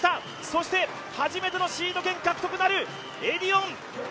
そして、初めてのシード権獲得となるエディオン。